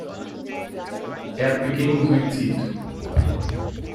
Er beging Suizid.